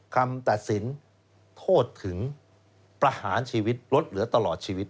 คำตัดสินโทษถึงประหารชีวิตลดเหลือตลอดชีวิต